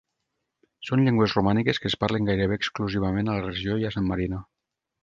Són llengües romàniques que es parlen gairebé exclusivament a la regió i a San Marino.